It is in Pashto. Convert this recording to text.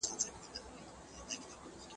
میلاټونین د شپې پر مهال اغېز لري.